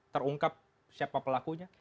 terungkap siapa pelakunya